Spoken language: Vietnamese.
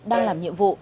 đang làm nhiệm vụ